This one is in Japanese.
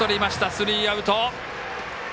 スリーアウト。